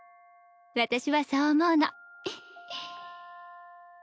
私はそう思うの